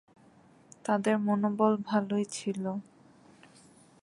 তাদের মনোবল ভালোই ছিল।